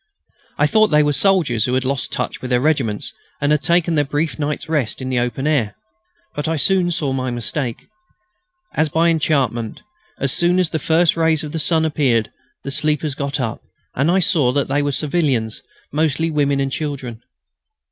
I thought they were soldiers who had lost touch with their regiments and had taken their brief night's rest in the open air. But I soon saw my mistake. As by enchantment, as soon as the first rays of the sun appeared the sleepers got up, and I saw that they were civilians, mostly women and children.